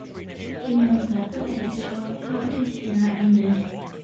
He moved back to Paris shortly after his tenure ended.